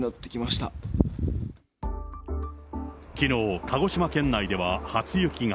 きのう、鹿児島県内では初雪が。